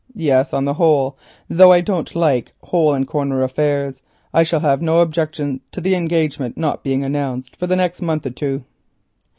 Yes, on the whole, though I don't like hole and corner affairs, I shall have no objection to the engagement not being announced for the next month or two."